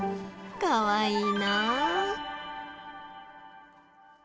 かわいいな。